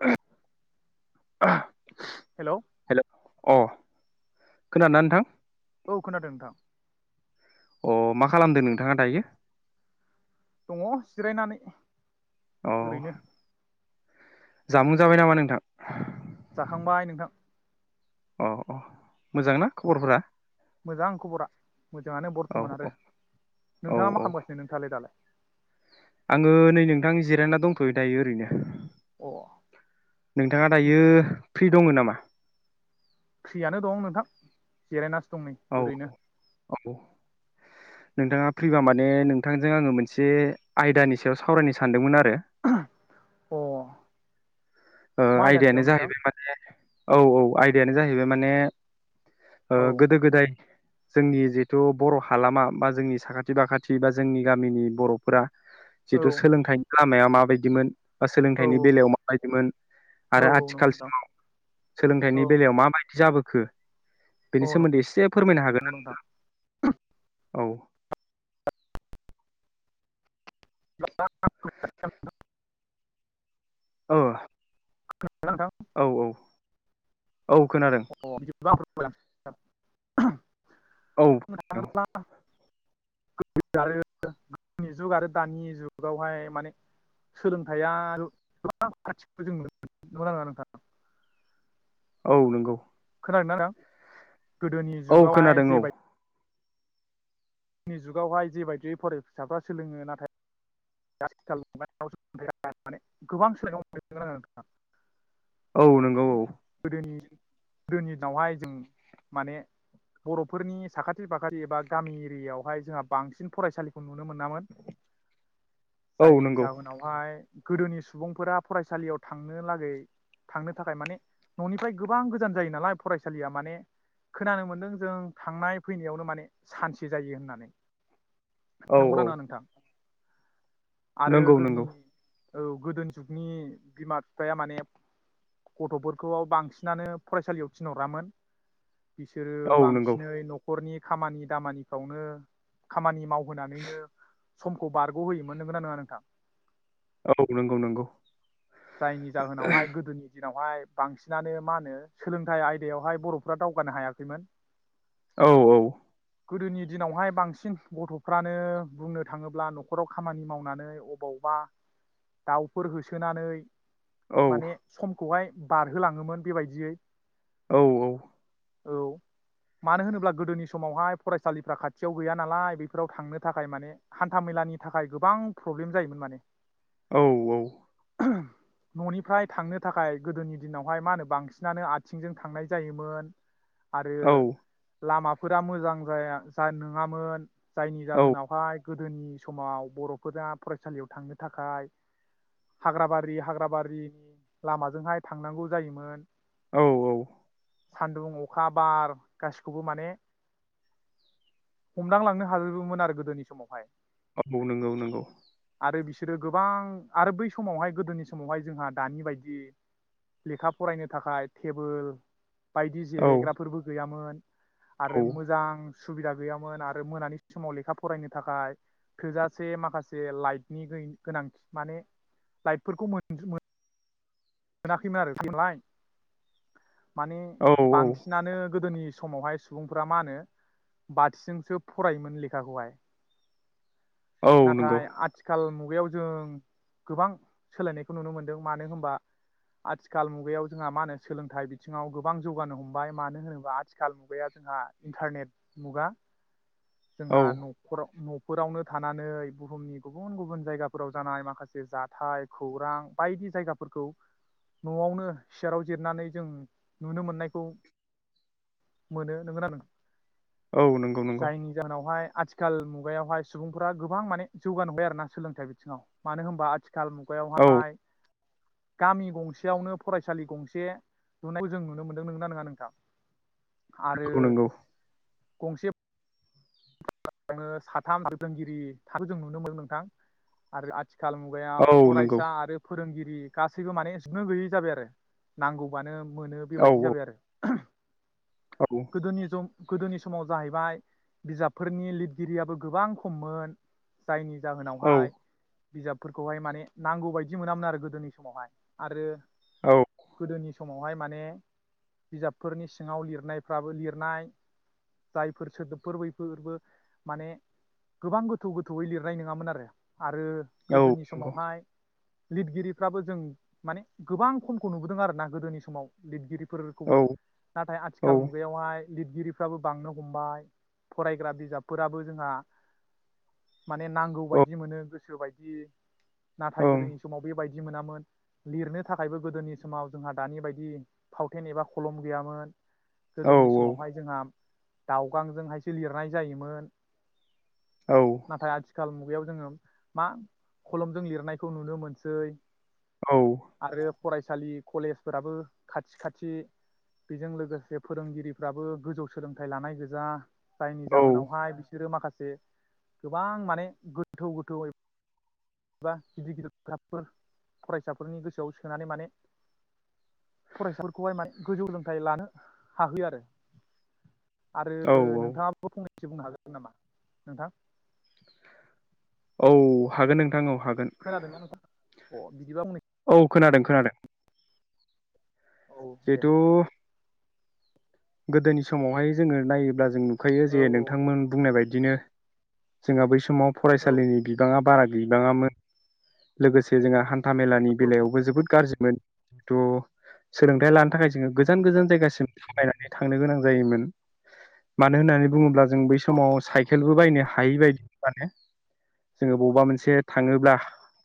[unintelligible] Hello hello अ खोनादोंना नोंथां? औ खोनादों नोंथां। अ मा खालामदों नोंथाङा दायो? दङ जिरायनानै। अ ओरैनो। जामुं जाबाय नामा नोंथां? जाखांबाय नोंथां। अ अ मोजांना खबरफोरा? खबरा मोजाङानो औ बर्थमान औ आरो। औ नोंथाङा मा खालामगासिनो नोंथाङालाय दालाय? आंङो नै नोंथां जिरायना दंथयो दायो ओरैनो अ नोंथाङा दायो फ्रि दङ नामा? फ्रियानो दं नोंथां जिरायनास औ औ नोंथाङा फैबा माने नोंथांजों आंङो मोनसे आयदानि सायाव सावरायनो सानदोंमोन आरो हो अ ओ मा आयदानि आयदायानो सायाव नोंथां जाहैबाय माने औ औ आय जाहैबाय माने ओ औ गोदो गोदाय जोंनि जिहेथु बर हालामा बा जोंनि साखाथि फाखाथि बा जोंनि गामिनि बर फोरा जिथु सोलोंथाइ लामाया माबायदिमोन? बा औ सोलोंथाइनि बेलायाव माबायदिमोन? औ आरो औ नंगौ नोंथां आथिखालसिमाव औ सोलोंथाइनि बेलायाव माबायदि जाबो खो बेनि औ सोमोन्दै एसे फोरमायनो हागोना नोंथां औ [unintelligible] औ [unintelligible] औ औ औ खोनादों [unintelligible] [unintelligible] औ औ गोदोनि जुग आरो दानि जुगआवहाय माने सोलोंथाइया गोबां फाराखथिखौ जों नु नो मोनदों नंगौ ना नङा नोंथां औ नंगौ खोनादों ना नोंथां गोदोनि औ जुगावहाय खोनादों जेबाय औ गोदोनि जुगावहाय जेबायदियै फरायसाफ्रा सोलोङो नाथाय [unintelligible] गोबां सोलायनाय मोनहैगोन आरों नोंथाङा औ नंगौ औ गोदोनि दिनावहाय जों माने बर'फोरनि साखाथि फाखाथि एबा गामि एरियायावहाय जोंहा बांसिन फरायसालिखौ नयो नुनो मोनामोन औ जायनि नंगौ जाहोनावहाय गोदोनि सुबुंफोरा फरायसालियाव थांनो लागै थांनो थाखाय माने न'निफ्राय गोबां गोजान जायो नालाय फरायसालिया माने खोनानो मोनदों जों थांनाय फैनायावनो माने सान्से जायो होननानै औ नंगौना औ नङा नोंथां आरो नंगौ गोदोनि नंगौ औ गोदो जुगनि बिमा बिफाया माने गथ'फोर खौआव बांसिनानो फरायसालियाव थिनहरामोन बिसोरो औ नंगौ बांसिनै न'खरनि खामानि दामानिखौनो खामानि माव होनानैनो समखौ बारग' होयोमोन नोंगोनना नङा नोंथां औ नंगौ नंगौ जायनि जाहोनावहाय गोदोनि दि नावहाय बांसिनानो मा होनो सोलोंथाइ आयदायावहाय बर'फ्रा दावगानो हायाखैमोन औ औ गोदोनि दिनावहाय बांसिन गथ'फ्रानो बुंनो थाङोब्ला न'खराव खामानि मावनानै अबावबा दाउफोर होसोनानै औ माने समखौहाय बारहोलाङोमोन बेबायदियै औ औ औ मानो होनोब्ला गोदोनि समावहाय फरायसालिफ्रा खाथियाव गैया नालाय बेफोराव थांनो थाखाय माने हान्था मेलानि थाखाय गोबां प्रब्लेम जायोमोन माने औ औ [inaudible] न'निफ्राय थांनो थाखाय गोदोनि दिनावहाय मा होनो बांसिनानो आथिंजों थांनाय जायोमोन आरो लामाफोरा मोजां जाया जान नङामोन जायनि औ जाहोनावहाय गोदोनि समाव बर'फोरा फरायसालियाव थांनो थाखाय हाग्राबारि हाग्रा बारिनि लामाजोंहाय थांनांगौ जायोमोन औ औ सान्दुं अखा बार गासिखौबो माने हमदांलांनो हाजोबोमोन आरो गोदोनि समावहाय औ नंगौ नंगौ आरो बिसोरो गोबां आरो बै समावहाय गोदोनि सम समावहाय जोंहा दानि बायदि लेखा फरायनो थाखाय टेबोल बायदि औ जिरेग्राफोरबो गैयामोन आरो औ मोजां सुबिदा गैयामोन आरो मोनानि समाव लेखा फरायनो थाखाय थोजासे माखासे लाइटनि गोनांथि माने लाइटफोरखौ मोन [unintelligible] मोनाखैमोन आरो बिदि मोन नालाय माने औ औ बांसिनानो गोदोनि समावहाय सुबुंफोरा मा होनो बाथिजोंसो फरायोमोन लेखाखौहाय औ नंगौ नाथाय आथिखाल मु बगायाव जों गोबां सोलायनायखौ नुनो मोनदों मानो होनबा आथिखाल मुगायाव जोंहा मा होनो सोलोंथाइ बिथिङाव गोबां जौगानो हमबाय मानो होनोबा आथिखाल मुगाया जोंहा इन्टारनेट मुगा जोंहा औ न'खराव न फोरावनो थानानै बुहुमनि गुबुन गुबुन जायगाफोराव जानाय माखासे जाथाय खौरां बायदि जायगाफोरखौ न'आवनो सियाराव जिरनानै जों नुनो मोननायखौ मोनो नंगोना नों औ नंगौ नंगौ जायनि जाहोनावहाय आथिखाल मुगायावहाय सुबुंफोरा गोबां माने जौगानो हमबाय आरो ना सोलोंथाइ बिथिङाव मानो होमबा आथिाखाल‌ थिखाल औ मुगायावहाय गामि गंसेयावनो फरायसालि गंसे लुनायखौ जों नुनो मोनदों नोंगोना नोङा नोंथां? नोंगौ आरो नोंगौ गंसे साथाम फोरोंगिरि थाखो जों नुनो मोन नोंथां आरो आथिखाल औ मुगायाव नंगौ फरायसा आरो फोरोंगिरि गासैबो माने जोबनो गैयै जाबाय आरो नांगौबानो मोनो औ बेबायदि जाबाय आरो औ गोदोनि ज गोदोनि समाव जाहैबाय बिजाबफोरनि लिदगिरियाबो गोबां खममोन जायनि औ जाहोनावहाय बिजाबफोरखौहाय माने नांगौ बायदि मोनामोन आरो गोदोनि समावहाय आरो औ गोदोनि स समावहाय माने बिजाबफोरनि सिङाव लिरनायफ्राबो लिरनाय जायफोर सोदोब। फोर बैफोरबो माने गोबां गोथौ गोथौयै लिरनाय नङामोन आरो आरो औ गोदोनि नंगौ समावहाय लिदगिरिफ्राबो जों माने गोबां खमखौ नुबोदों आरोना गोदोनि समाव लिदगिरि फोरखौबो औ नाथाय औ आथिखाल मुगायावहाय लिदगिरिफ्राबो बांनो हमबाय। फरायग्रा बिजाबफोराबो जोंहा माने नांगौ औ बायदि मोनो गोसो बायद दि नाथाय ओं गोदोनि समाव बेबायद दि मोनामोन लिरनो थाखायबो गोदोनि समाव जोंहा दानि बायदि फावथेन एबा खलम गैयामोन। औ गोदोनि समावहाय जोंहा दाउ। गांजोंहायसो लिरनाय जायोमोन। औ नाथाय आथिखाल मु बेयाव जोङो मा खलमजों लिरनायखौ नुनो मोनसै। आरो फराय सालि कलेजफोराबो खाथि खाथि बिजों लोगोसे फोरोंगिरिफ्राबो गोजौ सोलोंथाइ लानाय गोज जा जायनि जाहोनावहाय बिसोरो माखा से गोबां माने गोथौ गोथौयै एबा गिदिर गिदिर खोथाबफोर फरायसाफोरनि गोसोआव सोनानै माने फरायसाफोरखौहाय माने गोजौ सोलोंथाइ लानो हाहोयो आरो। औ ओ नोंथाङाबो फंनैसो बुंनो हागोन। नामा नोंथां। औ हागोन नोंथां औ। हागोन खोनादोंना नोंथाङा अ बिदिबा बुंनाय। औ खोनादों खोनादों। औ दे। जिहेथु गोदोनि समावहाय जोङो नायोब्ला जों नु खायो औ जे औ नोंथांमोन बुंनाय बायद दिनो जोंहा बै समाव फराय औ सालिनि बिबाङा बारा गैबाङामोन लोगोसे जोंहा हान थामेलानि बेलायावबो जोबोद गाज्रिमोन। थ' सोलोंथायाइ लानो थाखाय जोङो गोजान गोजान जायगासिम थाबायनानै थांनो गोनां जायोमोन मानो होननानै बुङोब्ला जों बै समाव साइकेलबो बायनो हायि बायदिमोन माने। जोङो बबेबा मोनसे थाङोब्ला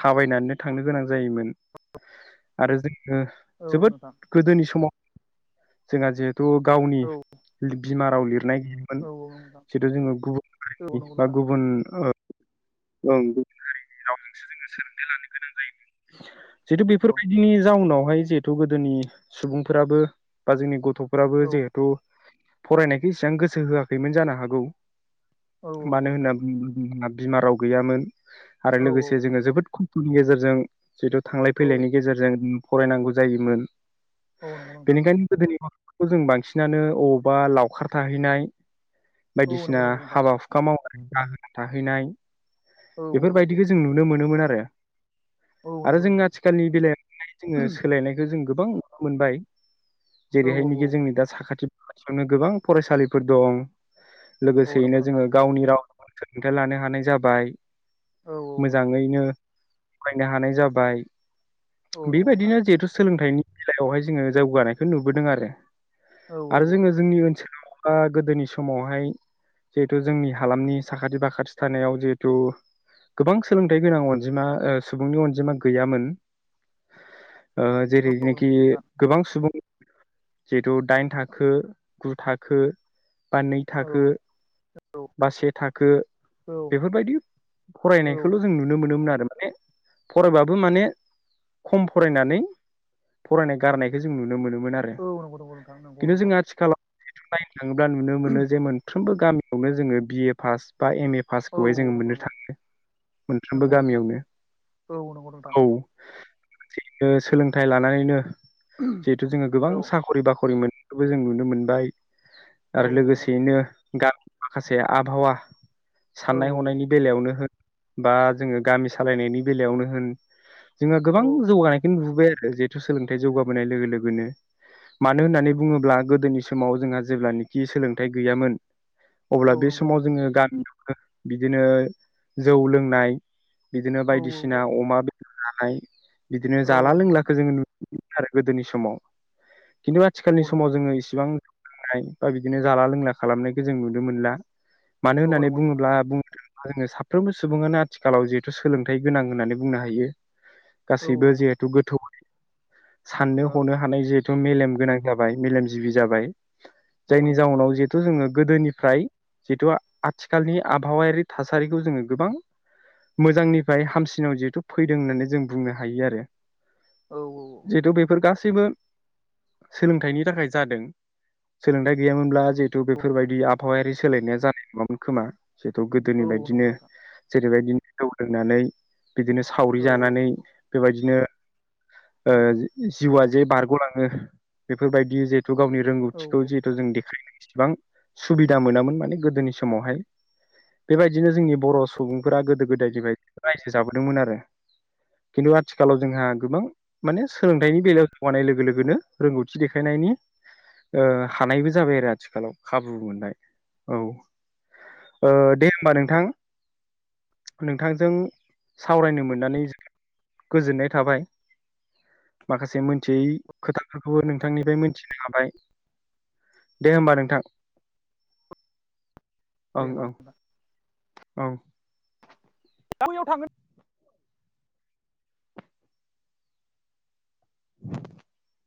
थाबायनानैनो थांनो गोनां जायोमोन। आरो जोङो औ जोबोद नोंथां गोदोनि समाव जोंहा जे थ' गावनि औ बिमा गाव लिर नाय गैयोमोन औ औ नोंथां जिथु जोङो गुबुन औ हारिनि नंगौ बा नोंथां गुबुन औ गुबुन हारिनि रावजोंसो जोङो सोलोंथाइ लानो गोनां जायोमोन। जितु औ बेफोरबायदिनि जाउनाव हवाय जेथु गोदोनि सुबुंफोराबो बा जोंनि गथ गथ'फ्राबो औ जिहेथु फरायनायखौ इसां गोसो होआखैमोन जानो हागौ। औ मानो नंगौ नोंथां होनना [unintelligible] बिमा राव गैयामोन। आरो औ लोगोसे जोङो जोबोद खम नि गेजेरजों जितु थांलाय औ फैलायनि गेजेरजों फरायनांगौ जायोमोन औ नंगौ नोंथां बेनिखायनो गोदोनि माव खौ जों बांसिनानो अबावबा लावखार थाहैनाय औ बायदिसिना नंगौ नंगौ नोंथां हाबा हुखा मावनाय दाहोना थाहैनाय औ औ नंगौ बेफोरबायदिखो जों नुनो मोनोमोन आरो। रो। औ आरो नंगौ जों नोंथां आथिखालनि बेलायाव जोङो सोलायनायखो जों गोबां नुनो मोनबाय। औ जेरैहायनोखि औ जोंनि दा साखाथि खाथियावनो गोबां फरायसालिफोर दं। औ औ नंगौ लोगोसेयैनो नोंथां जोङो गावनि राव सोलोंथाइ लानो हानाय जाब बाइ। औ मोजाङैनो बायनो हानाय जाबाय औ नंगौ नोंथां बेबायदिनो जिहेथु सोलोंथाइनि दावहाय जोङो जौगानायखौ नुबोदों आरो औ औ आरो औ जोङो जोंनि ओनसोलाव गोदोनि समावहाय जिहेथु जोंनि हालामनि साखाथि फाखाथि थानायाव जिहेु थह गोबां सोलोंथाइ गोनां अनजिमा सुबुंनि अनजिमा गैयामोन औ नंगौ जेरैनाखि नोंथां गोबां सुबुं जिहेतु दाइन थाखो गु थाखो बा नै औ औ थाखो औ बा से थाखो बेफोर फरायनायखौल' जों नुनो मोन नु मोन आरो माने फरायबाबो माने खम फरायनानै फरायनाय गारनायखौ जों नुनो मोनोमो औ नंगौ नंगौ नंथां नंगौ नंगौ [unintelligible] थाङोब्ला नुनो मोनो जे मोनफ्रोमबो गामियावनो जोङो बिए ए पास ए बा एम ए पा औ खौहाय जोङो औ नंगौ मोननो नंगौ थाङो मोनफ्रोमबो नंगौ नोंथां गामियावनो औ नंगौ नोंथां औ सोलोंथाइ लानानैनो जिहेथु जोङो औ गोबां साखरि बाखरि मोन बेखौबो जों नुनो मोनबाय औ आरो लोगोसेयैनो गामिनि माखासे आबहावा औ साननाय हनायनि बेलायावनो हो बा जोङो गामि सालायनायनि बेलायावनो होन जोङो औ गोबां जौगानायखौनो नुबाय जिहेथु सोलोंथाइ जौगाबोनाय लोगो लोगोनो मानो होननानै बुङोब्ला गोदोनि समाव जोंहा जेब्लानोखि सोलोंथाइ गैयामोन। अब्ला औ बे नंगौ समाव नोंथां जोङो गामियाव बिदिनो जौ लोंनाय बिदिनो औ बायदिसिना अमा जानाय बिदिनो औ जाला औ नंगौ लोंलाखौ नोंथां जोङो नुनो आरो गोदोनि समाव खिन्थु औ आथिखालनि नंगौ समाव नोंथां जोङो इसिबां नाय बा बिदिनो जाला लोंला खालामनायखौ जों नुनो मोनला। मानो औ होननानै नंगौ नोंथां बुङोब्ला बुंथों जोङो साफ्रोमबो सुबुङानो आथिखालाव जिहेथु सोलोंथाइ गोनां होननानै बुंनो हायो औ गासैबो नंगौ नोंथां जिहेथु गोथौ साननो औ हनो हानाय जेहे थ' मेलेम गोनां जाबाय मेलेमजिबि जाबाय औ जायनि नंगौ नोंथां जाउनाव जिहेथु जोङो गोदोनिफ्राय जिथु आ आथिखालनि आबहावायारि थासारिखौ जोङो गोबां मोजांनिफ्राय हामसिनाव जिहेथु फैदों होननानै जों बुंनो हायो आरो औ जिहेतु बेफोर गास गासैबो सोलोंथाइनि थाखाय जादों सोलोंथाइ गैयामोनब्ला जिहेतु औ बेफोरबायदि आबहावायारि सोलायनाया जानाय नङामोन खोमा जिथु औ गोदोनि नंगौ बायदिनो नोंथां बेबायदिनो जौ लोंनानै बिदिनो सावरि औ औ जानानै बेबायदिनो ओ औ जिउआ जे बारग'लाङो बेफोरबायदि जे थ' गावनि रोंगौथिखौ औ जिहेथु जों देखाय इसेबां सुबिदा मोनामोन माने गोदोनि समावहाय बेबायदि बिदिनो जोंनि बर' सुबुंफोरा गोदो गोदायनिफ्राय रायजो जाबोदोंमोन आरो खिन्थु आथिखालाव जोंहा गोबां माने सोलोंथाइनि बेलायाव जौगानाय लोगो लोगोनो रोंगौथि देखायनायनि हानायबो जाबाय आरो आथिखालाव खाबु मोनबाय औ ओ दे हबा नोंथां नोंथांजों सावरायनो मोननानै जोबोद गोजोननाय थाबाय माखासे मोनथियै खोथाफोरखौबो नोंथांनिफ्राय मिथि [unintelligible] दे होमबा नोंथां [unintelligible] औ [unintelligible] थांगोन [inaudible]